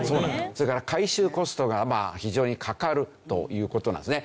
それから回収コストが非常にかかるという事なんですね。